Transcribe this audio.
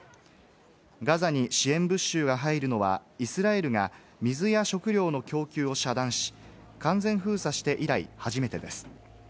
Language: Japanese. ガザに支援物資が入るのはイスラエルが水や食料の供給を遮断し、完全封鎖して以来、初めてです。